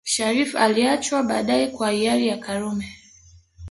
Shariff aliachiwa baadae kwa hiari ya Karume